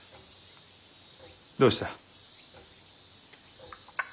どうした？